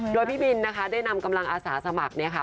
โดยพี่บินนะคะได้นำกำลังอาสาสมัครเนี่ยค่ะ